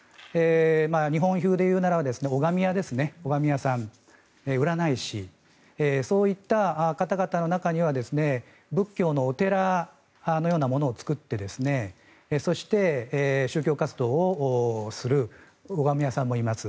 日本流で言うならば拝み屋さんですね占い師、そういった方々の中には仏教のお寺のようなものを作ってそして宗教活動をする拝み屋さんもいます